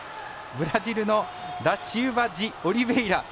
ブラジルのダシウバジオリベイラ。